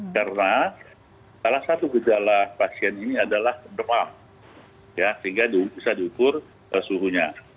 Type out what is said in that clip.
karena salah satu gejala pasien ini adalah kebermah sehingga bisa diukur suhunya